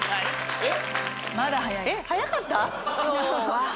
えっ？